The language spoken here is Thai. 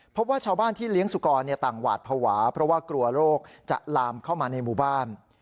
พบว่าชาวบ้านที่เลี้ยงสุกรต่างหวาดภาวะเพราะว่ากลัวโรคจะลามเข้ามาในหมู่บ้าน